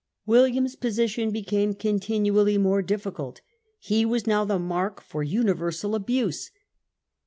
William's position became continually more difficult. He was now the mark for universal abuse.